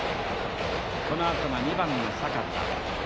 このあとが２番の坂田。